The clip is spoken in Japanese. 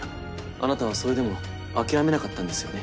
あなたはそれでも諦めなかったんですよね？